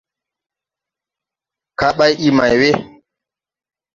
Kaa bày ii may we ?